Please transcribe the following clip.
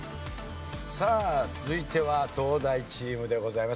さあ続いては東大チームでございます。